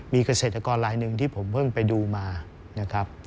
มีเกษตรกรลายหนึ่งที่ผมเพิ่งไปดูมานะครับ